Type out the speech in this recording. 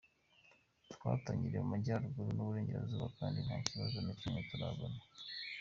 Twatangiriye mu Majyaruguru n’Iburengerazuba kandi nta kibazo na kimwe turabona .